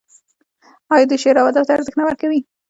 آیا دوی شعر او ادب ته ارزښت نه ورکوي؟